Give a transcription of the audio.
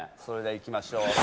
それでは行きましょう。